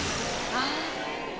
ああ。